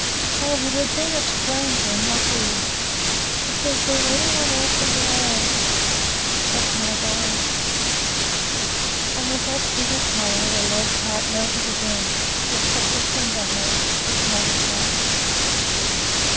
"Oh, if it had been a stranger, and not he! If it had been any one in the world except my brother!" And in that bitter cry the lad's heart melted again; it was such a tender heart his mother's heart.